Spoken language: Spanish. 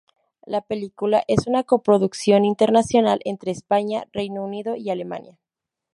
La película es una coproducción internacional entre España, Reino Unido y Alemania.